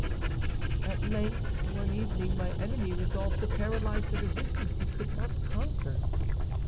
"At length, one evening my enemy resolved to paralyze the resistance he could not conquer.